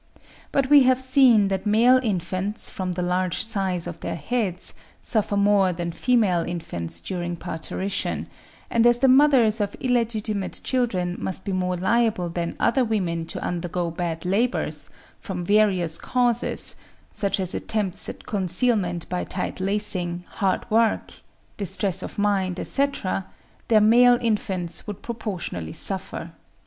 But we have seen that male infants, from the large size of their heads, suffer more than female infants during parturition; and as the mothers of illegitimate children must be more liable than other women to undergo bad labours, from various causes, such as attempts at concealment by tight lacing, hard work, distress of mind, etc., their male infants would proportionably suffer.